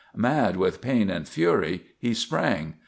Mad with pain and fury, he sprang.